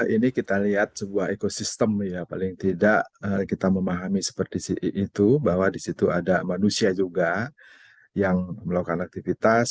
ini kita lihat sebuah ekosistem ya paling tidak kita memahami seperti itu bahwa di situ ada manusia juga yang melakukan aktivitas